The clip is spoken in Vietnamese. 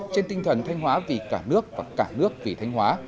trên tinh thần thanh hóa vì cả nước và cả nước vì thanh hóa